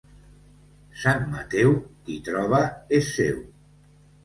Sant Mateu, qui troba és seu.